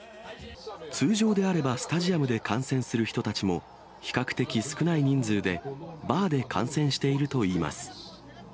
通常であれば、スタジアムで観戦する人たちも、比較的少ない人数で、バーで観戦しているといいます。